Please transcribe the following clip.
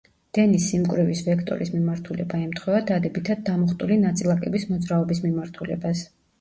დენის სიმკვრივის ვექტორის მიმართულება ემთხვევა დადებითად დამუხტული ნაწილაკების მოძრაობის მიმართულებას.